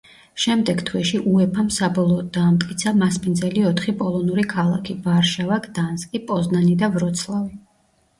შემდეგ თვეში უეფა-მ საბოლოოდ დაამტკიცა მასპინძელი ოთხი პოლონური ქალაქი: ვარშავა, გდანსკი, პოზნანი და ვროცლავი.